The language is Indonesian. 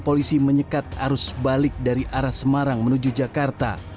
polisi menyekat arus balik dari arah semarang menuju jakarta